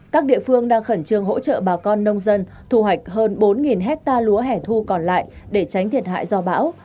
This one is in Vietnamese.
các địa phương đang khẩn trương hỗ trợ bà con nông dân thu hoạch hơn bốn hectare lúa hẻ thu còn lại để tránh thiệt hại do bão